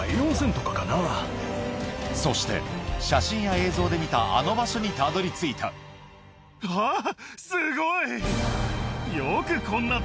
そして写真や映像で見たあの場所にたどり着いたあっすごい！